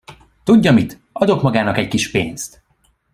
Tudja mit, adok magának egy kis pénzt.